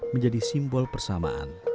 menjadi simbol persamaan